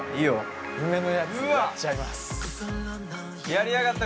やりやがった！